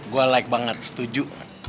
gua like banget setuju